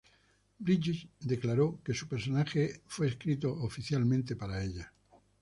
Bridges declaró que su personaje fue escrito oficialmente para ella.